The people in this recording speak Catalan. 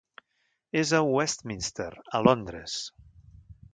És a Westminster, a Londres.